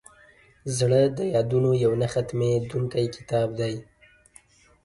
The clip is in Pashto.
زړه د یادونو یو نه ختمېدونکی کتاب دی.